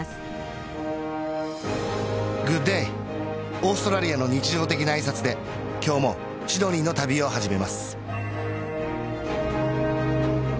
オーストラリアの日常的な挨拶で今日もシドニーの旅を始めます